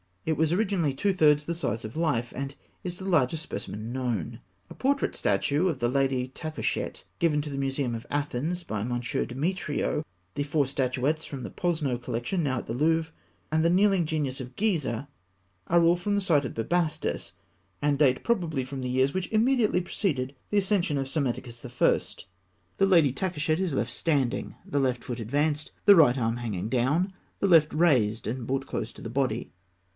It was originally two thirds the size of life, and is the largest specimen known. A portrait statuette of the Lady Takûshet, given to the Museum of Athens by M. Demetrio, the four statuettes from the Posno collection now at the Louvre, and the kneeling genius of Gizeh, are all from the site of Bubastis, and date probably from the years which immediately preceded the accession of Psammetichus I. The Lady Takûshet is standing, the left foot advanced, the right arm hanging down, the left raised and brought close to the body (fig.